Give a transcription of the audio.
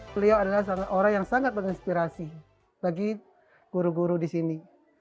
beliau adalah orang yang sangat menginspirasi bagi guru guru di sini